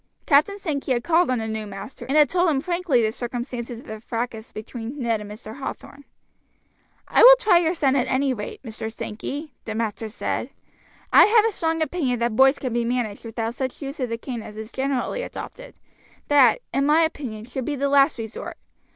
Captain Sankey had called on the new master, and had told him frankly the circumstances of the fracas between Ned and Mr. Hathorn. "I will try your son at any rate, Mr. Sankey," the master said. "I have a strong opinion that boys can be managed without such use of the cane as is generally adopted; that, in my opinion, should be the last resort.